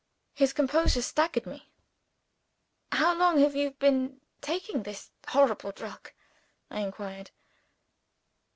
His composure staggered me. "How long have you been taking this horrible drug?" I inquired.